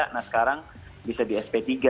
nah sekarang bisa di sp tiga